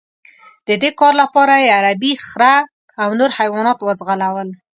د دې کار لپاره یې عربي خره او نور حیوانات وځغلول.